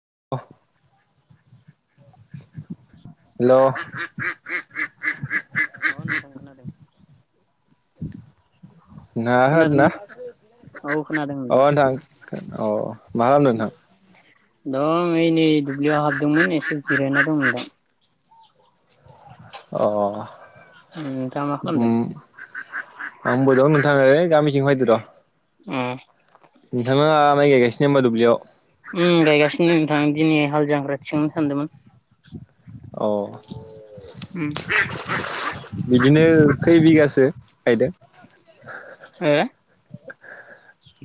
[inaudible] अ नोंथां खोनादों हेल' नोंथां खोनादोंना आ खोनादों ना औ खोनादों अ नोंथां थां अ मा खालामदों नोंथां? दं ओइ नै दुब्लियाव हाबदोंमोन एसे जिरायना दंमोन [unintelligible] अ। नोंथां आ माख खालाम दों? उम आंबो दं [unintelligible] ओ गामिथिंफायदोर'। उम। नोंथां आ माइ गायगासि ओमबा दुब्लियाव। आं दिनै हाल जांग्रा थिखांनो सानदोंमोन। औ। उम। बिदिनो खै [unintelligible] हो--?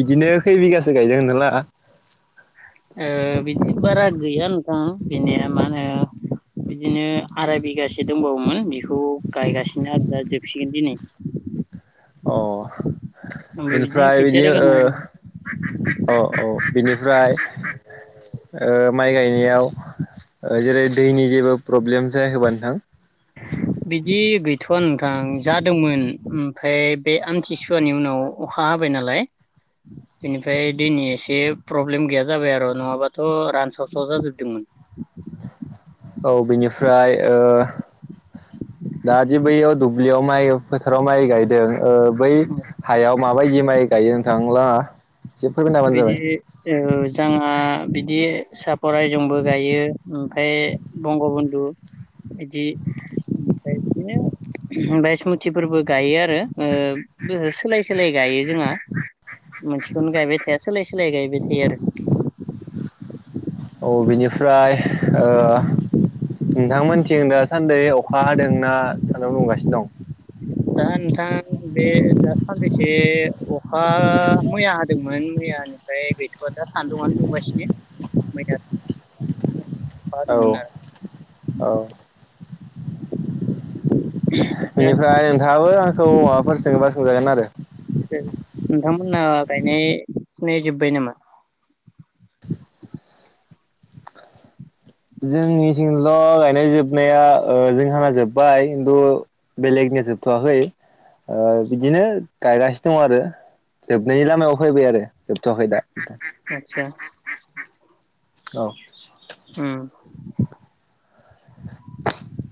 बिदिनो खै बिगासो गायजागोन नोंथां लाहा। ओ बिदि बारा गैया नोंथां गैनाइया मा होनो बिदिनो आराय बिगासो दंबावोमोन बेखौ गायगासिनो आरो दा जोबसिगोन दिनै। [inaudible] अ। ओमफ्राय बिदिनो बिनिफ्राय खोथिया बिदि ओ रोगाना होदों औ औ बिनिफ्राय। माइ गायनायाव जेरै दैनि जेबो प्रब्लेम जायाखोमा नोंथां। [unintelligible] बिदि गैथ'वा नोंथां जादोंमोन ओमफ्राय बे आमथिसुवानि उनाव अखा हाबाय। नालाय। बेनिफ्राय दैै एसे प्रब्लेम गैया जाबाय आरो नङाबाथ' रानसावस्राव जाजोबदोंमोन। [unintelligible] औ बिनिफ्राय ओ दादि बैयाव दुब्लियाव माइ फोथाराव माइ गायदों। ओ बै हायाव माबायदि माइ गायो नों थांलाहा। बिदि ओ जोंहा बिदि सापरायजोंबो गायो ओमफाय बंग बन्धु। बिदि ओमफ्राय बिदिनो बायसमुथिफोरबो गायो आरो ओ हो सोलाय सोलाय गायो जोंहा मोनसे बेखौनो गायबाय थाया सोलाय सोलाय गायबाय थायो आरो। औ बिनिफ्राय ओ नोंथांमोनथिं दासानदै अखा हादों आंना सानाव दंगासिनो दं? दा नोंथां बे दा सानबैसे अखा मैया होदोंमोन मैयानिफ्राय ओमफ्राय गैथ'वा दा सान्दुंआ दुंगासिनो [unintelligible] अखा औ हादोंमोन आरो औ। [unintelligible] दाहाबो आंखौ माबाफोरजों सोंबा सोंजागोन आरो नोंथांमोना गायनाय फुनाय जोब्बाय नामा। [unintelligible] जोंनिथिंल' गायनाय जोबनाया ओ जोंहाना जोब्बाय खिन्थु बेलेग ना जोबथ'याखै। ओ बिदिनो गायगासिनो दङ आरो जोबनायनि लामायाव फैबाय आरो जोबथ'वाखै दा। आतसा। औ [unintelligible]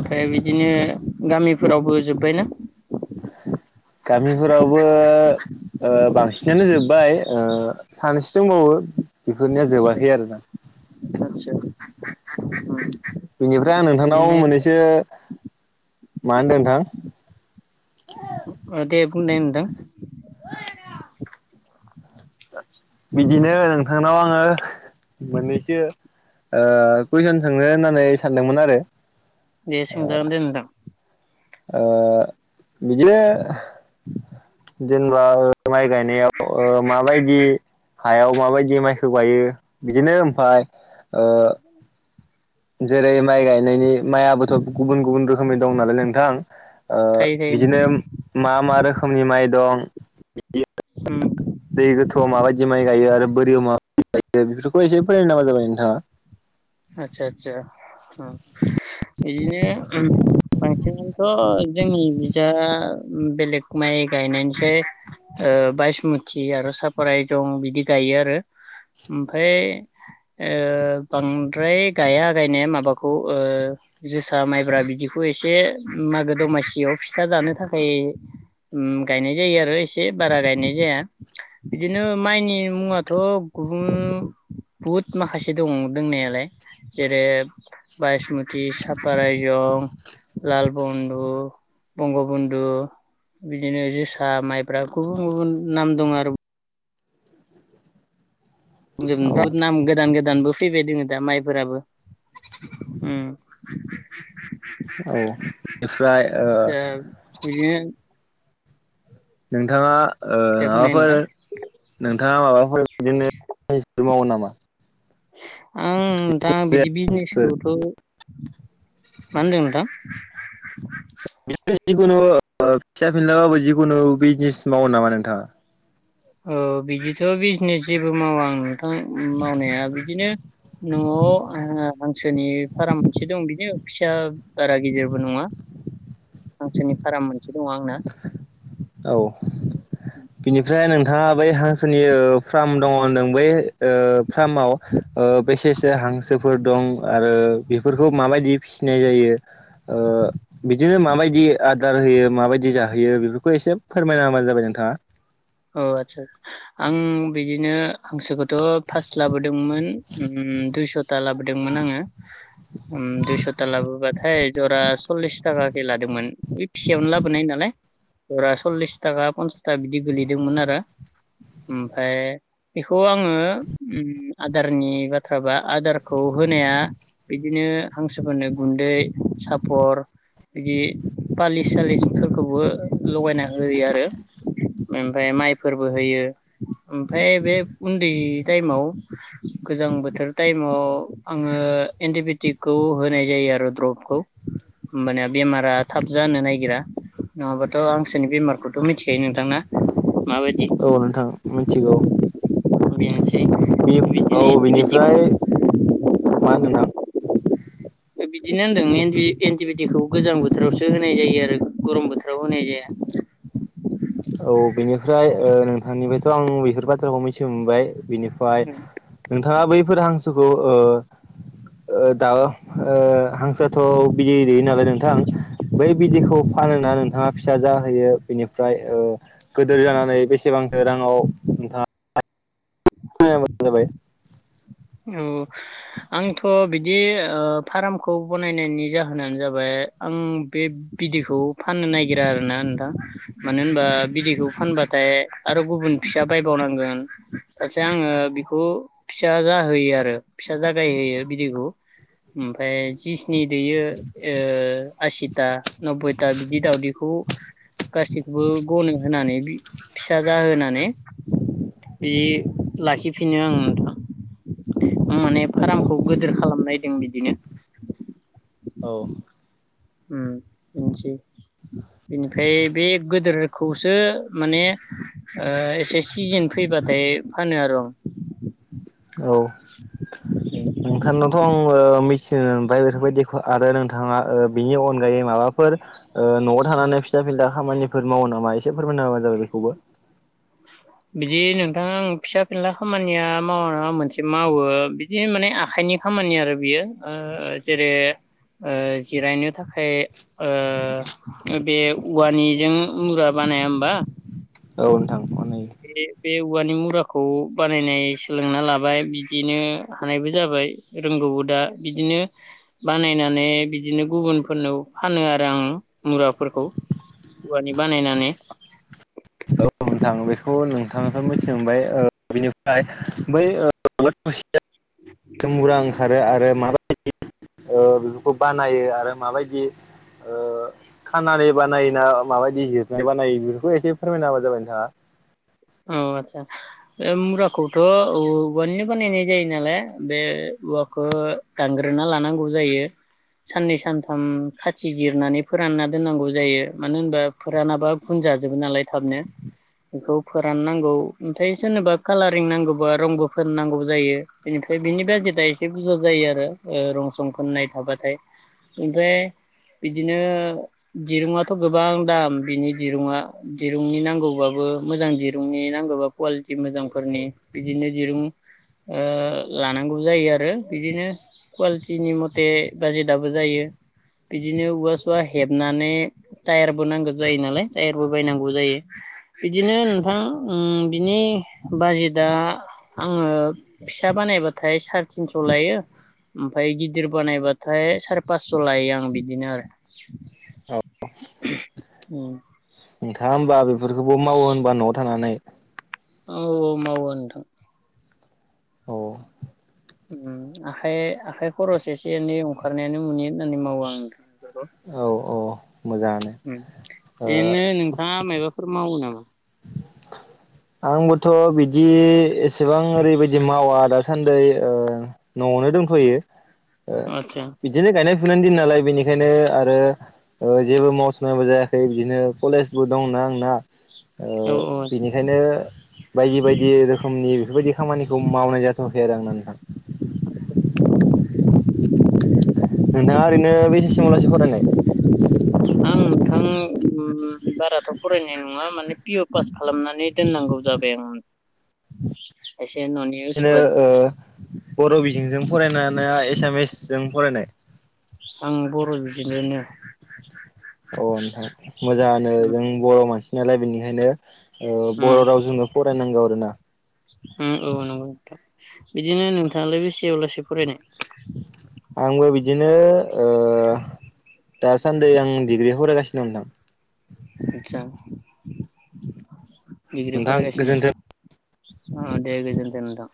ओमफ्राय बिदिनो गामिफोरावबो जोब्बायनाः गामिफोरावबो ओ बांसिनानो जोब्बाय ओ सानैसो दंबावो बेफोरनिया आदसा जोबाखै आरो दा। आदसा उम [inaudible] बेनिफ्राय आं नोंथांनाव बिदिनो मोननैसो मा होनदो नोंथां? ओ दे बुंनाय नोंथां। बिदिनो नोंथांनाव आङो मोननैसो ओ कुइसन सोंनो होननानै सानदोंमोन आरो। दे सोंजागोन दे नोंथां। ओ बिदिनो जेनेबा माइ गायनायाव ओ माबायदि हायाव माबायदि माइखौ गायो बिदिनो ओमफाय ओ जेरै माइ गायनायनि मायाबोथ' गुबुन गुबुन रोखोमनि दं नालाय नोंथां। ओ थायो थायो बिदिनो नोंथां मा मा रोखोमनि माइ दं? बि होम दै गोथौआव माबायदि माइ गायो आरो बोरियाव मा [unintelligible] बेफोरखौ एसे फरायनो नामा जाबाय नोंथाङा। [inaudible] अ इदिनो बांसिनथ' जोंनि बिजा बेलेग माइ गायसै ओ ओ बायसमुथि आरो सापाराय दं बिदि गायो आरो। ओमफ्राय ओ बां ओमफ्राय गाया गायनाय माबाखौ ओ जोसा माइब्रा बिदिखौ एसे मागो द मासियाव फिथा दानो थाखाय उम गायनाय जायो आरो एसे बारा गायनाय जाया। बिदिनो माइनि मुङाथ' गुबुन बहुद माखासे दं दंनायालाय। जेरै बायसमुथि, साफर आयजं लाल बन्न्दु, बंग बन्न्दु बिदिनो जोसा माइब्रा गुबुन गुबुन नाम दं आरो। औ बुंजोबनोथ' नाम गोदान गोदानबो फैबाय दोङो दा माइफोराबो। उम [inaudible] औ बेनिफ्राय ओ आदसा बिदिनो नोंथाङा ओ दे बुंनाय माबाफोर नोंथां नोंथाङा माबाफोर बिदिनो फोर मावो नामा? आं दा बिदि बिजनेसखौथ' [inaudible] मा होनदों नोंथां? [inaudible] जिखुनु फिसा फिनलाबाबो जिखुनु बिजनेस मावो नामा नोंथाङा? औ बिदिथ' बिजनेस जेबो मावा आं नोंथां मावनाया बिदिनो न'आव आङो हांसोनि फाराम मोनसे दं बिनो फिसा बारा गिदेरबो नङा हांसोरनि फाराम मोनसे दङ आंना औ बिनिफ्राय नोंथाङा बै हांसोनि ओ फार्म दङ होनदों बै ओ फार्माव ओ बेसेसो हांसो फोर दं आरो बेफोरखौ माबायदि फिसिनाय जायो? ओ बिदिनो माबायदि आदार होयो माबायदि जाहोयो बेफोर खौ एसे फोरमायना होबानो जाबाय नोंथाङा। अ आदसा आं बिदिनो हांसोखौथ' फास्ट लाबोदोंमोन। दुइस'था लाबोदोंमोन आङो। ओम दुइस'ता लाबो बथायाय जरा सल्लिस थाखा लादोंमोन बे फिसियावनो लाबोनाय नालाय जरा सल्लिस थाखा पन्सास थाखा बिदि गोलैदोंमोन आरो। ओमफाय बेखौ आङो आदारनि बाथ्राबा आदारखौ होनाया बिदिनो हांसोफोरनो गुन्दै सापर बिदि फालिस सालिसफोरखौबो लगायना होयो आरो। ओमफाय माइफोरबो होयो ओमफ्राय बे उन्दै टाइमाव गोजां बोथोर टाइमाव आङो एन्टिबायटिकखौ होनाय जायो आरो द्रपखौ। होमबानिया बेमारा थाब जानो नागिरा। नङाबाथ' हांसोनि बेमारखौथ' मिथिखायो नोंथांना? औ नोंथां मिथिगौ। [unintelligible] बियो बिदिनो औ एन्टिबायटिक बिनिफ्राय मा नोंथां? ओ बिदिनो होनदों एन्टि- एन्टिबिटिखौ गोजां बोथोरावसो होनाय जायो आरो गरम बोथोराव होनाय जाया। [inaudible] औ बिनिफ्राय ओ नोंथांनिफ्रायथ' आं बिफोर बाथ्राखौ मिथि मोनबाय बिनि फाय नोंथाङा बैफोर हांसोखौ ओ ओ दा ओ हांसोआथ' बिदै दैयो नालाय नोंथां बै बिदैखौ फा फानोना नोंथाङा फिसा जाहोयो बेनिफ्राय ओ गोदोर जानानै बेसेबांसो राङाव नोंथाङा [unintelligible] औ आंथ' बिदि ओ फारामखौ बनायनायनि जाहोनानो जाबाय आं बे बिदैखौ फाननो नागिरा आरोना नोंथां मानो होनबा बिदैखौ फानबाथाय आरो गुबुन फिसा बायबावनांगोन [unintelligible] आङो बिखौ फिसा जा होयो आरो फिसा जागाय होयो बिदैखौ। ओमफ्राय जिसिनि दैयो ओ आसिथा नब्बयथा बिदि दाउदैखौ [unintelligible] गाससिबखौबो गनो होनानै बि फिसा जाहोनानै बि लाखिफिनो आं नोंथां। आं माने फारामखौ गोदोर खालामनायदों बिदिनो। औ उम मिन्थियो। बेनिफ्राय बे गोदोरखौसो माने ओ एसे सिजेन फैबा थेय फानो आर' औ [unintelligible] नोंथांनावथ' आं ओ मेचन ओमफाय बेफोरबायदि आरो नोंथाङा ओ बिनि अनगायै माबाफोर ओ न'आव थानानै फिसा फिनला खामानिफोर मावो नामा एसे फोरमायना होबा जाबाय बिखौबो। बिदि नोंथां आं फिसा फिनला खामानिया मावा नङा मोनसे मावो बिदि माने आखाय नि खामानि आरो बियो ओ जेरै ओ जिरायनो थाखाय ओ बे उवानिजों मुरा बा नाया होमबा? औ नोंथां अननायो बे-बे उवानि मुराखौ बानायनाय सोलोंना लाबाय बिदिनो हानायबो जाबाय रोंगौ दा बिदिनो बानायनानै बिदिनो गुबुनफोरनौ फानो आरो आङो मुराफोर खौ उवानि बानायनानै। औ नोंथां बेखौ नोंथाङनिफ्राय मिथि मोनबाय ओ बिनिफ्राय बै [unintelligible] [inaudible] ओंखारो आरो मा [inaudible] ओ बिफोरखौ बानायो आरो माबायदि ओ खानानै बानायोना माबायदि जिरनै बानायो बेफोरखौ एसे फोरमायना होबा जाबाय नोंथाङा। औ आतसा बे मुरखौथ' औवानि बानायनाय जायो नालाय बे उवाखो दानग्रोना लानांगौ जायो। साननै सानथाम खाथि जिरनानै फोरानना दोननांगौ जायो मानो होनबा फोरानाबा गुन जाजोबो नालाय थाबनो बिखौ फोराननांगौ ओमफाय सोरनोबा कालारिं नांगौबा रंग' फोरनांगौ जायो बेनिफ्राय बिनि दा एसे बुरजा जायो आरो ओ रं सं फोननाय थाबाथाय ओमफ्राय बिदिनो दिरुङाथ' गोबां दाम बिनि दिरुङआ दिरुंनि नांगौबाबो मोजां दिरुंनि नांगौबा कुवालिटि मोजांफोरनि बिदिनो दिरुं ओ लानांगौ जायो आरो बिदिनो कुवालिटिनि मथे बाजेटआबो जायो बिदिनो औवा सुवा हेबनानै टायारबो नांगो जायो नालाय टायारबो बायनांगौ जायो। बिदिनो नोंथां उम बिनि बाजेटआ आंङो फिसा बानाय बाथाय सारि थिनस' लायो। ओमफाय गिदिर बानायबाथाय सारि पास्स' लायो आं बिदिनो आरो औ नोंथाङा होमबा बेफोरखौबो मावो होनबा न'आव थानानै? औ औ मावो नोंथां औ आखाइ आखाइ खरस एसे एनै अंखारनायानो मुनि होननानै मावो आंङो। औ औ औ मोजाङानो उम ओ ओरैनो नोंथाङा मायबाफोर मावो नामा? आंबोथ' बिदि एसेबां ओरैबायदि मावा दासान्दि ओ न'आवनो दंथ'यो ओ आदसा बिदिनो गायनाय फुनायनि दिन नालाय बेनिखायनो आरो जेबो मावथ'नायबो जायाखै बिदिनो कलेजबो दंना। आंना ओ औ औ बिनिखायनो बायदि बायदि रोखोमनि बेफोरबायदि खामानिखौ मावनाय जाथ'वाखै आरो आंना नोंथां [unintelligible] नोंथाङा ओरैनो बेसेसिमाव लासै फरायनाय? आं नोंथां उम बाराथ' फरायनाय नङा माने पिअ पास खालामनानै दोननांगौ जाबाय आं। एस- बिदिनो ओ बर' बिजोंजों फरायनायना एसामिस जों फरायनाय? आं बर' बिजोंजोंनो अ नोंथां मोजांआनो उम जों बर' मानसि नालाय बेनिखायनो ओ बर' उम रावजोंनो फरायनांगौ आरोना। उम औ नंगौ नोंथां बिदिनो नोंथाङालाय बेसेआवलासै फरायनाय? आंबो बिदिनो ओ दासान्दि आं डिग्रि फरायगासि। नोंथां आदसा दिग्रि नोंथां फरायगासिनो गोजोन्थों अ दे गोनथों नोंथां